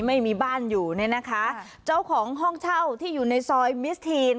ไม่มีบ้านอยู่เนี่ยนะคะเจ้าของห้องเช่าที่อยู่ในซอยมิสทีน